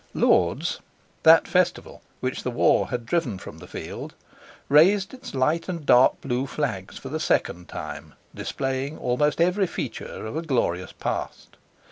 "Lord's"—that festival which the War had driven from the field—raised its light and dark blue flags for the second time, displaying almost every feature of a glorious past.